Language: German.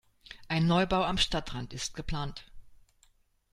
Ein Neubau am Stadtrand ist geplant.